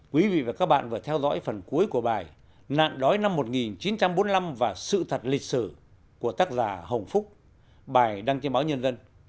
quý vị và các bạn vừa theo dõi phần cuối của bài nạn đói năm một nghìn chín trăm bốn mươi năm và sự thật lịch sử của tác giả hồng phúc bài đăng trên báo nhân dân